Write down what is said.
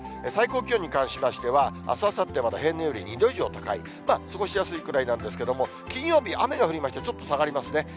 最高気温に関しましては、あす、あさってはまだ平年より２度以上高い、過ごしやすいくらいなんですけども、金曜日に雨が降りまして、ちょっと下がりますね。